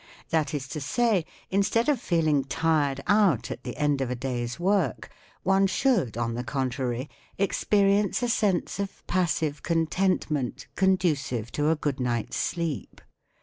That is to say, instead of feeling tired out at the end of a day's work, one should, on the contrary* experience a sense of passive contentment, conducive to a good night's sleep.